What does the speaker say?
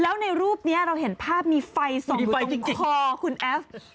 แล้วในรูปนี้เราเห็นภาพมีไฟส่องไฟคอคุณแอฟ